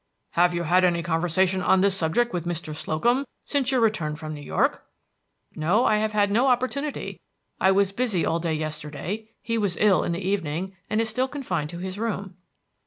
"Have you had any conversation on this subject with Mr. Slocum since your return from New York?" "No, I have had no opportunity. I was busy all day yesterday; he was ill in the evening, and is still confined to his room."